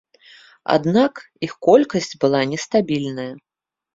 Аднак іх колькасць была нестабільная.